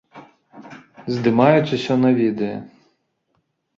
Здымаюць усё на відэа.